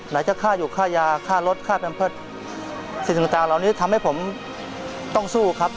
ไหนจะค่าอยู่ค่ายาค่ารถค่าแมมเพิดสิ่งต่างเหล่านี้ทำให้ผมต้องสู้ครับ